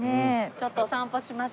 ちょっとお散歩しましょう。